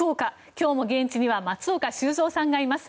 今日も現地には松岡修造さんがいます。